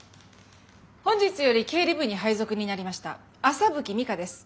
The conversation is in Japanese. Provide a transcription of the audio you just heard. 本日より経理部に配属になりました麻吹美華です。